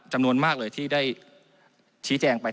จำนวนมากเลยที่ได้ชี้แจงไป